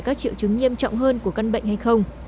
các triệu chứng nghiêm trọng hơn của căn bệnh hay không